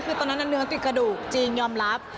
คือตอนนั้นเนื้อติดกระดูกจริงยอมรับ